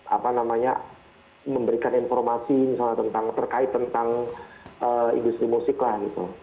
apa namanya memberikan informasi misalnya tentang terkait tentang industri musik lah gitu